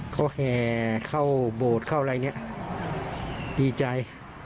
เขาแห่เข้าโบสถ์เข้าอะไรเนี่ยดีใจ